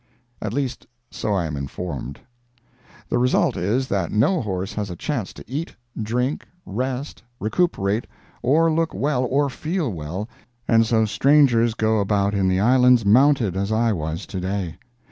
At least, so I am informed. The result is, that no horse has a chance to eat, drink, rest, recuperate, or look well or feel well, and so strangers go about in the islands mounted as I was to day.